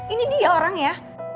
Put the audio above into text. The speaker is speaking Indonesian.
ini dia orangnya